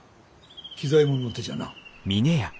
喜左衛門の手じゃな。